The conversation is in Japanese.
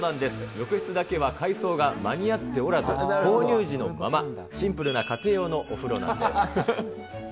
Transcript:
浴室だけは改装が間に合っておらず、購入時のまま、シンプルな家庭用のお風呂なんです。